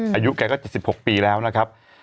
สีวิต้ากับคุณกรนิดหนึ่งดีกว่านะครับแฟนแห่เชียร์หลังเห็นภาพ